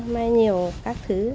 may nhiều các thứ